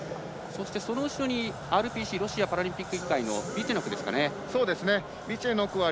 その後ろにＲＰＣ＝ロシアパラリンピック委員会のブィチェノクですかね。